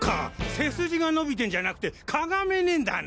背筋が伸びてんじゃなくてかがめねんだな。